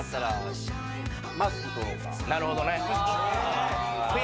なるほどね。